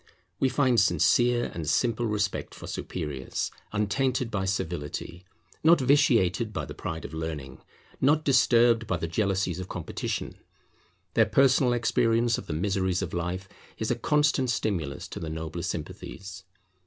We find sincere and simple respect for superiors, untainted by servility, not vitiated by the pride of learning, not disturbed by the jealousies of competition. Their personal experience of the miseries of life is a constant stimulus to the nobler sympathies.